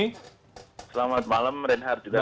selamat malam renhar juga